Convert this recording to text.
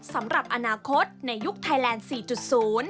สำหรับอนาคตในยุคไทยแลนด์๔๐